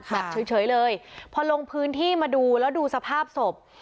แบบเฉยเลยพอลงพื้นที่มาดูแล้วดูสภาพศพ